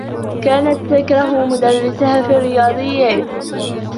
كانت تكره مدرّسها في الرّياضيّات.